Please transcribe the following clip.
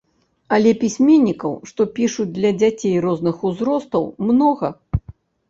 Але пісьменнікаў, што пішуць для дзяцей розных узростаў, многа.